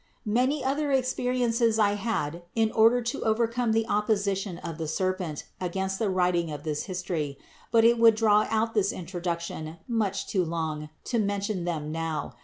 Many other experiences I had in order to overcome the opposition of the serpent against the writing of this history, but it would draw out this intro duction too much to mention them now